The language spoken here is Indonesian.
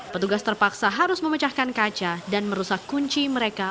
petugas terpaksa harus memecahkan kaca dan merusak kunci mereka